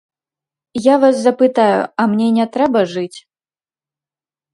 Я вас запытаю, а мне не трэба жыць?